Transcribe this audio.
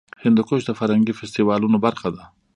هندوکش د فرهنګي فستیوالونو برخه ده.